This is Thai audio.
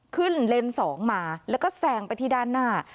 เลนส์๒มาแล้วก็แซงไปที่ด้านหน้า